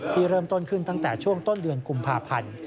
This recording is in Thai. เริ่มต้นขึ้นตั้งแต่ช่วงต้นเดือนกุมภาพันธ์